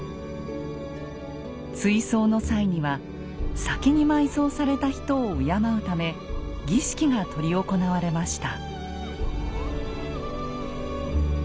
追葬の際には先に埋葬された人を敬うため儀式が執り行われました。